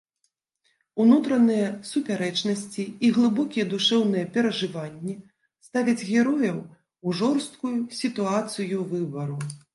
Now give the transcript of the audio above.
Унутраныя супярэчнасці і глыбокія душэўныя перажыванні ставяць герояў у жорсткую сітуацыю выбару.